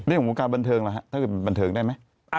เรื่องของการบันเทิงหรอครับถ้าคือบันเทิงได้ไหม